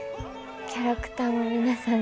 キャラクターも皆さん